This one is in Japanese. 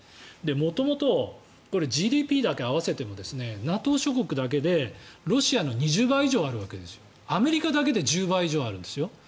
元々これ、ＧＤＰだけ合わせてもＮＡＴＯ諸国だけでロシアの２０倍以上あるわけですアメリカだけで１０倍以上あるんですよ。